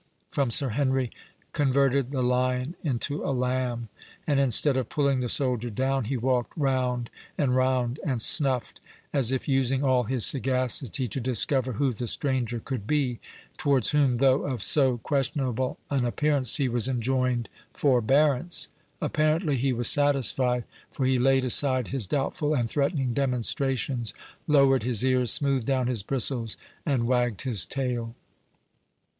from Sir Henry, converted the lion into a lamb, and instead of pulling the soldier down, he walked round and round, and snuffed, as if using all his sagacity to discover who the stranger could be, towards whom, though of so questionable an appearance, he was enjoined forbearance. Apparently he was satisfied, for he laid aside his doubtful and threatening demonstrations, lowered his ears, smoothed down his bristles, and wagged his tail.